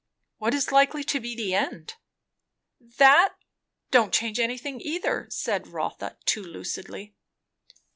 "What is likely to be the end?" "That don't change anything, either," said Rotha, not too lucidly.